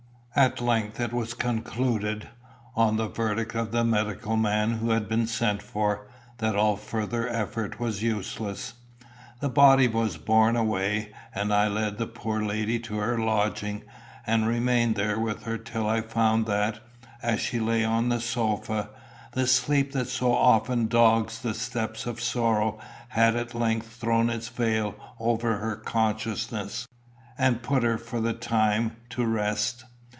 At length it was concluded, on the verdict of the medical man who had been sent for, that all further effort was useless. The body was borne away, and I led the poor lady to her lodging, and remained there with her till I found that, as she lay on the sofa, the sleep that so often dogs the steps of sorrow had at length thrown its veil over her consciousness, and put her for the time to rest.